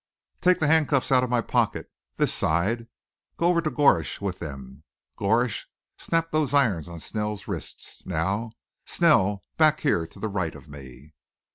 "Take the handcuffs out of my pocket. This side. Go over to Gorsech with them. Gorsech, snap those irons on Snell's wrists. Now, Snell, back here to the right of me."